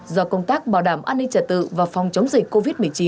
do công tác bảo đảm an ninh trả tự và phòng chống dịch covid một mươi chín